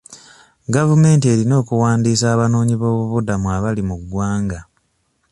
Gavumenti erina okuwandiisa abanoonyiboobubudamu abali mu ggwanga.